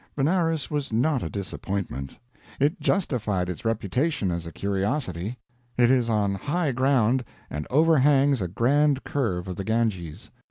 Benares was not a disappointment. It justified its reputation as a curiosity. It is on high ground, and overhangs a grand curve of the Ganges.